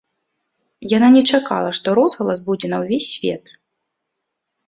Яна не чакала, што розгалас будзе на ўвесь свет.